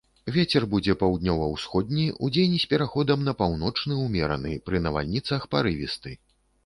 Вецер будзе паўднёва-ўсходні, удзень з пераходам на паўночны ўмераны, пры навальніцах парывісты.